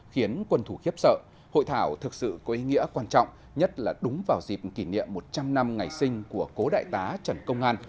khiến quân thủ khiếp sợ hội thảo thực sự có ý nghĩa quan trọng nhất là đúng vào dịp kỷ niệm một trăm linh năm ngày sinh của cố đại tá trần công an